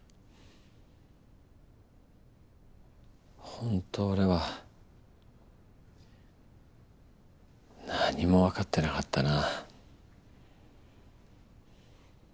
ほんと俺は何もわかってなかったな。